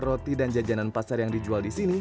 roti dan jajanan pasar yang dijual disini